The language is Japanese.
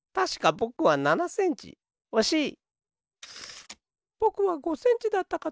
ぼくは５センチだったかと。